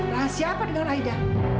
rahasia apa dengan aida